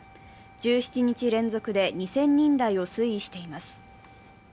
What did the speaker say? １７日連続で２０００人台を推移しています。